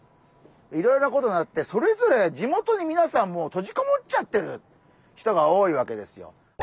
いろいろなことがあってそれぞれ地元にみなさん閉じこもっちゃってる人が多いわけですよ。